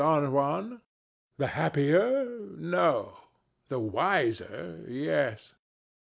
DON JUAN. The happier, no: the wiser, yes.